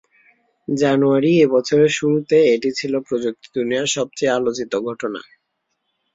জানুয়ারি এ বছরের শুরুতে এটি ছিল প্রযুক্তি দুনিয়ার সবচেয়ে আলোচিত ঘটনা।